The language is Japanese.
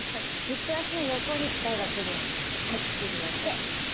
軸足の横に台がくるようにはい準備をして。